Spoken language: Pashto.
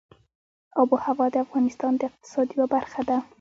آب وهوا د افغانستان د اقتصاد یوه برخه ده.